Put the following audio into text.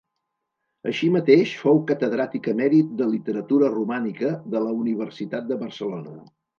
Així mateix, fou catedràtic emèrit de Literatura Romànica de la Universitat de Barcelona.